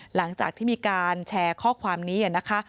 หลังจากที่มีการแชร์ข้อความนี้นะคะ